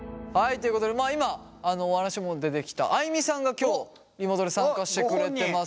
ということで今お話にも出てきたあいみさんが今日リモートで参加してくれてます。